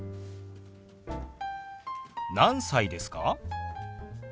何歳ですか？